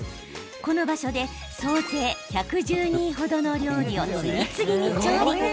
この場所で総勢１１０人程の料理を次々に調理。